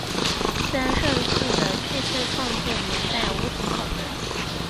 三圣寺的确切创建年代无从考证。